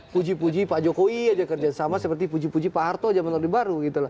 puji puji pak jokowi saja kerja sama seperti puji puji pak harto zaman orde baru